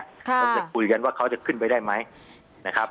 คงจะคุยกันว่าเขาจะขึ้นไปได้ไหมนะครับ